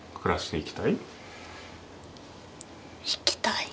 いきたい。